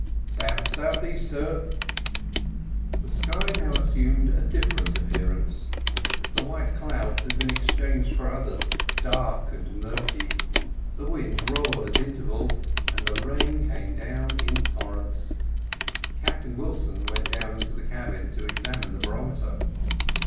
"South south east, sir." The sky now assumed a different appearance the white clouds had been exchanged for others dark and murky, the wind roared at intervals, and the rain came down in torrents. Captain Wilson went down into the cabin to examine the barometer.